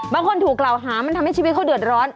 ถูกกล่าวหามันทำให้ชีวิตเขาเดือดร้อน